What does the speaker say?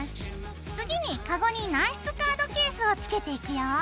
次にカゴに軟質カードケースをつけていくよ。